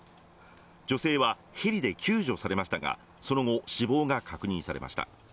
女性はヘリで救助されましたがその後、死亡が確認されました。